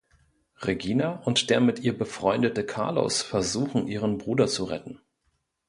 Regina und der mit ihr befreundete Carlos versuchen, ihren Bruder zu retten.